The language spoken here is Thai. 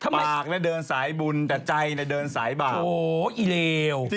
ปากด้วยเดินสายบุญกับใจในเดินสายบาป